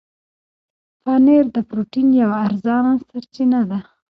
پنېر د پروټين یوه ارزانه سرچینه ده.